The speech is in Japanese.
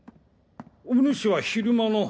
おぬしは昼間の。